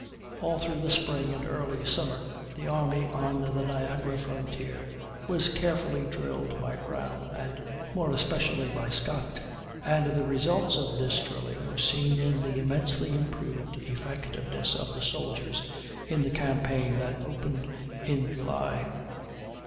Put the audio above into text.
All through the spring and early summer the army on the Niagara frontier was carefully drilled by Brown, and more especially by Scott, and the results of this drilling were seen in the immensely improved effectiveness of the soldiers in the campaign that opened in July.